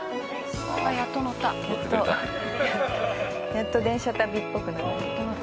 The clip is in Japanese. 「やっと電車旅っぽくなった」